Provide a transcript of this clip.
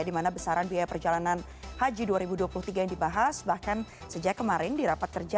di mana besaran biaya perjalanan haji dua ribu dua puluh tiga yang dibahas bahkan sejak kemarin di rapat kerja